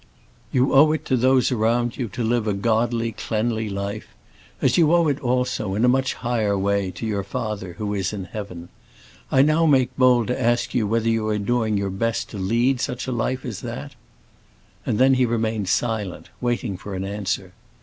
You owe it to those around you to live a godly, cleanly life; as you owe it also, in a much higher way, to your Father who is in heaven. I now make bold to ask you whether you are doing your best to lead such a life as that?" And then he remained silent, waiting for an answer.